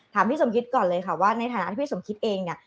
พี่สมคิดก่อนเลยค่ะว่าในฐานะที่พี่สมคิดเองเนี่ย